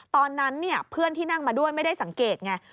ตอนนั้นเพื่อนที่นั่งมาด้วยไม่ได้สังเกตไง